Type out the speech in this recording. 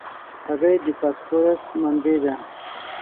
هګۍ د فاسفورس منبع ده.